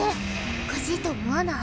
おかしいと思わない？